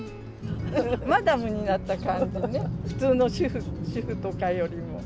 マダムになった感じね、普通の主婦とかよりも。